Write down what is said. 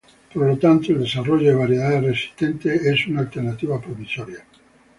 Por lo tanto el desarrollo de variedades resistentes es una alternativa promisoria.